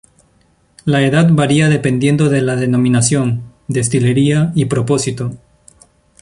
La edad varía dependiendo de la denominación, destilería y propósito.